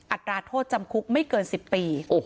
อัตราโทษจำคุกไม่เกิน๑๐ปี